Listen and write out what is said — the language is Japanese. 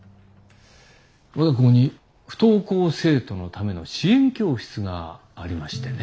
我が校に不登校生徒のための支援教室がありましてね。